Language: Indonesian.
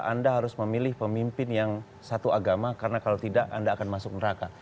anda harus memilih pemimpin yang satu agama karena kalau tidak anda akan masuk neraka